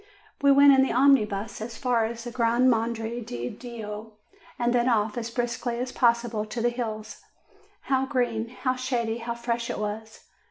We went in the omnibus as far as Gran Madre di Dio, and then off, as briskly as possible, to the hills. How green, how shady, how fresh it was